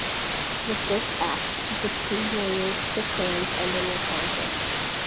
With this act, the two warriors shook hands, ending their conflict.